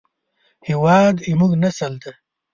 هېواد زموږ نسل دی